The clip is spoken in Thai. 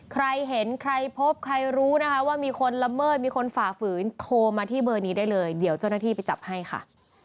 ใครเห็นใครพบใครรู้นะคะว่ามีคนละเมิดมีคนฝ่าฝืนโทรมาที่เบอร์นี้ได้เลยเดี๋ยวเจ้าหน้าที่ไปจับให้ค่ะ